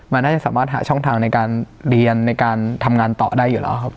มันน่าจะสามารถหาช่องทางในการเรียนในการทำงานต่อได้อยู่แล้วครับ